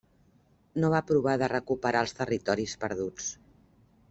No va provar de recuperar els territoris perduts.